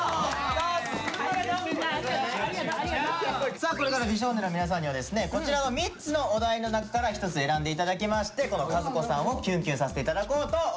さあこれから美少年の皆さんにはですねこちらの３つのお題の中から１つ選んで頂きましてこの和子さんをキュンキュンさせて頂こうと思います。